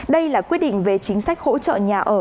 đây là quyết định về chính sách hỗ trợ nhà ở